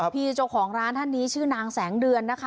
พี่เจ้าของร้านท่านนี้ชื่อนางแสงเดือนนะคะ